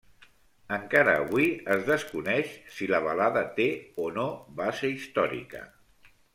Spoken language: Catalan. Encara avui, es desconeix si la balada té o no base històrica.